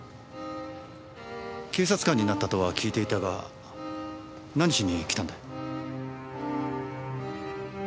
警察官になったとは聞いていたが何しに来たんだい？